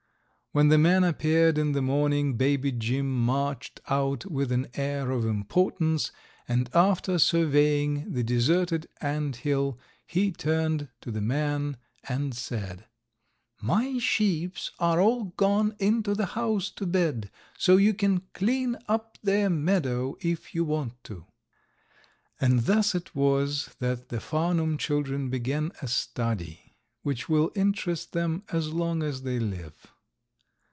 When the man appeared in the morning Baby Jim marched out with an air of importance, and, after surveying the deserted ant hill, he turned to the man and said, "My sheeps are all gone into the house to bed, so you can clean up their meadow if you want to." And thus it was that the Farnum children began a study which will interest them as long as they live.